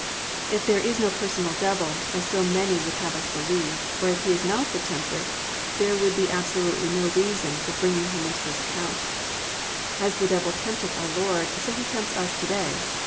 If there is no personal Devil, as so many would have us believe, or if he is not the tempter, there would be absolutely no reason for bringing him into this account. As the Devil tempted our Lord, so he tempts us to day.